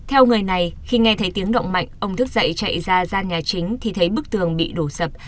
theo người này khi nghe thấy tiếng động mạnh ông thức dậy chạy ra gian nhà chính thì thấy bức tường bị đổ sập